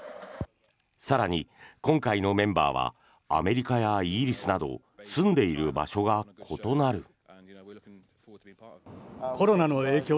更に、今回のメンバーはアメリカやイギリスなど住んでいる場所が異なる。